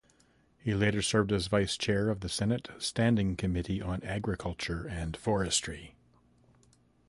He later served as vice-chair of the Senate Standing Committee on Agriculture and Forestry.